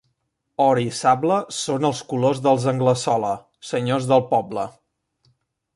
Or i sable són els colors dels Anglesola, senyors del poble.